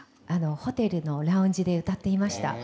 ホテルのラウンジで歌っていました。